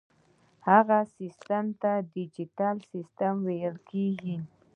دغه سیسټم ته ډیجیټل سیسټم ویل کیږي.